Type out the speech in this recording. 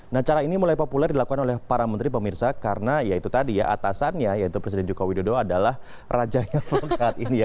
nah cara ini mulai populer dilakukan oleh para menteri pemirsa karena ya itu tadi ya atasannya yaitu presiden joko widodo adalah rajanya hoax saat ini ya